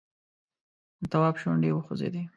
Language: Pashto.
د تواب شونډې وخوځېدې!